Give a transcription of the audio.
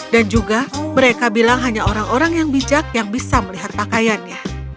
dan juga mereka bilang hanya orang orang yang bijak yang bisa melihat pakaiannya